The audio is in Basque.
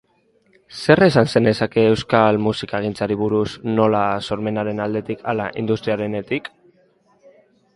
Zer esan zenezake euskal musikagintzari buruz, nola sormenaren aldetik hala industriarenetik?